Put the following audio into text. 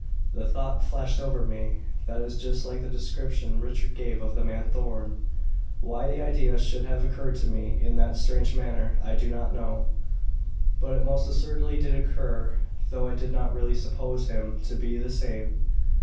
The thought flashed over me, 'That is just like the description Richard gave of the man Thorn.' Why the idea should have occurred to me in that strange manner, I do not know, but it most assuredly did occur, though I did not really suppose him to be the same.